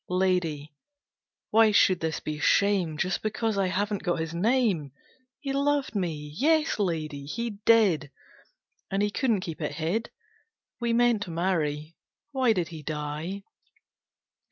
Lady, why should this be shame, just because I haven't got his name. He loved me, yes, Lady, he did, and he couldn't keep it hid. We meant to marry. Why did he die?